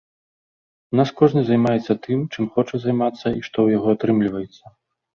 У нас кожны займаецца тым, чым хоча займацца, і што ў яго атрымліваецца.